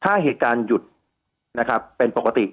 ถ้าเหตุการณ์หยุดเป็นปกติ